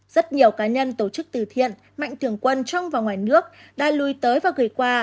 rất nhiều cá nhân tổ chức từ thiện mạnh thường quân trong và ngoài nước đã lùi tới và gửi qua